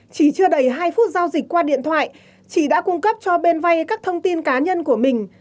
chỉ chưa đầy hai phút giao dịch qua điện thoại chị đã cung cấp cho bên vay các thông tin cá nhân của mình